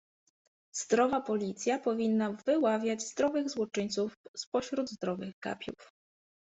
Zdrowa policja powinna wyławiać zdrowych złoczyńców spośród zdrowych gapiów.